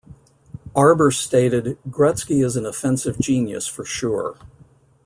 Arbour stated, Gretzky is an offensive genius for sure.